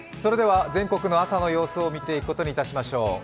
全国の朝の様子を見ていくことにいたしましょう。